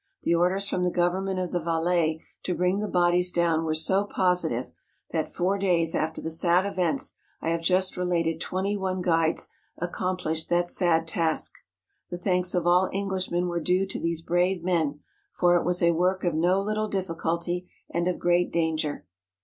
The orders from the government of the Valais to bring the bodies down were so positive, that four days after the sad events I have just re¬ lated twenty one guides accomplished that sad task. The thanks of all Englishmen were due to these brave men, for it was a work of no little difficulty and of great danger.